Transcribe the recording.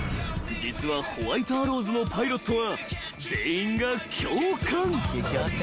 実はホワイトアローズのパイロットは］